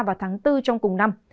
vào tháng bốn trong cùng năm